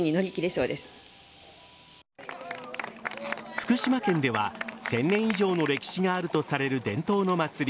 福島県では、１０００年以上の歴史があるとされる伝統の祭り